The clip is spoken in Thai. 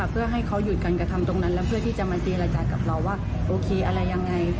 เพื่อให้เขาหยุดการกระทำตรงนั้นแล้วเพื่อที่จะมาเจรจากับเราว่าโอเคอะไรยังไง